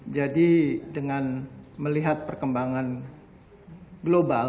jadi dengan melihat perkembangan global